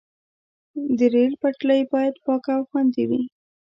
د ریل پټلۍ باید پاکه او خوندي وي.